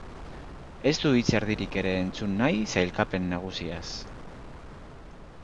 Ez du hitz erdirik ere entzun nahi sailkapen nagusiaz.